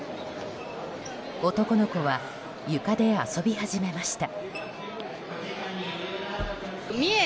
男の子は床で遊び始めました。